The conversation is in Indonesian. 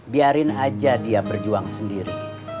biarin aja dia berjuang sendiri